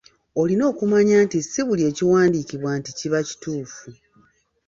Olina okumanya nti si buli kiwandiikibwa nti kiba kituufu.